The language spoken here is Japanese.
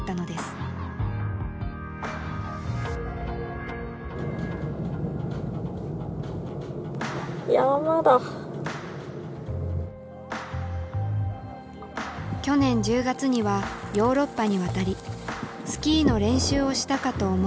去年１０月にはヨーロッパに渡りスキーの練習をしたかと思えば。